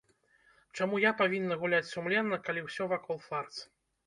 Чаму я павінна гуляць сумленна, калі ўсё вакол фарс?